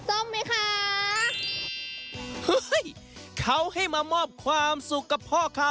โอเคจ้าซอมหวานหวานอร่อยจ๊า